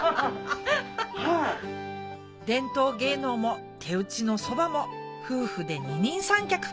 伝統芸能も手打ちのそばも夫婦で二人三脚